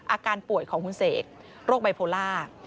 อาการป่วยของคุณเสกโรคไบโพล่า